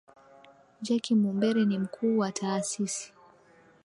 jacky mumbere ni mkuu wa taasisi